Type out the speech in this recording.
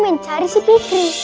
mencari si fikri